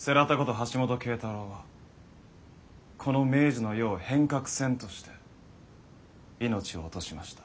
橋本慶太朗はこの明治の世を変革せんとして命を落としました。